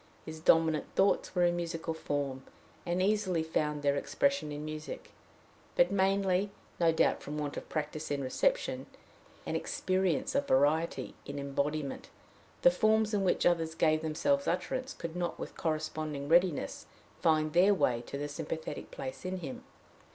His dominant thoughts were in musical form, and easily found their expression in music; but, mainly no doubt from want of practice in reception, and experience of variety in embodiment, the forms in which others gave themselves utterance could not with corresponding readiness find their way to the sympathetic place in him.